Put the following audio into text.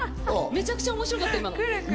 めちゃくちゃ面白かった！